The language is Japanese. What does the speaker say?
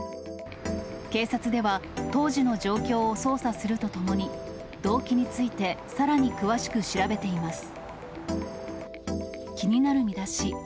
警察では当時の状況を捜査するとともに、動機についてさらに詳しく調べています。